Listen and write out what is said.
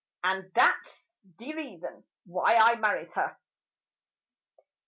And dat's de reason wy I marries her."